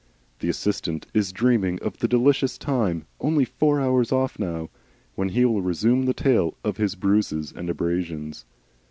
The assistant is dreaming of the delicious time only four hours off now when he will resume the tale of his bruises and abrasions.